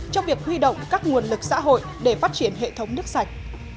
trong việc huy động các nguồn lực xã hội để phát triển hệ thống nước sạch